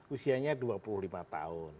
usianya dua puluh lima tahun